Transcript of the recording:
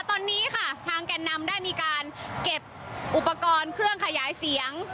ตอนนี้ค่ะทางแก่นนำได้มีการเก็บอุปกรณ์เครื่องขยายเสียง